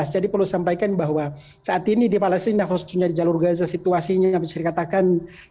jadi perlu disampaikan bahwa saat ini di palestina khususnya di jalur gaza situasinya yang diserikatakan